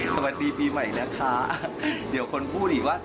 สวัสดีปีใหม่นะคะเดี๋ยวคนพูดอีกว่า